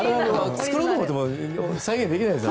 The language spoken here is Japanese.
作ろうと持っても再現できないですよ。